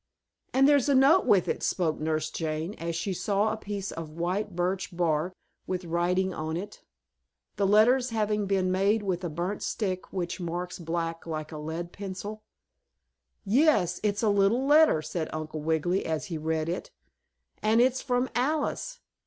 "And there's a note with it," spoke Nurse Jane, as she saw a piece of white birch bark, with writing on it; the letters having been made with a burned stick which marks black like a lead pencil. "Yes, it's a little letter," said Uncle Wiggily as he read it. "And it's from Alice.